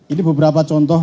ini beberapa contoh